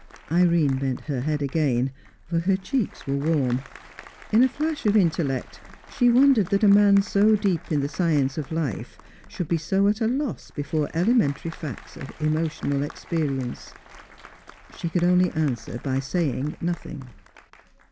Irene bent her head again, for her cheeks were warm. In a flash of intellect, she wondered that a man so deep in the science of life should be so at a loss before elementary facts of emotional experience. She could only answer by saying nothing.